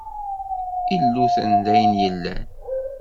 Illuten d ayen yellan.